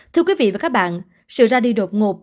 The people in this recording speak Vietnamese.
thưa quý vị và các bạn sự ra đi đột ngột